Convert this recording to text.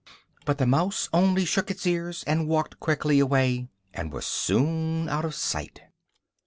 but the mouse only shook its ears, and walked quickly away, and was soon out of sight.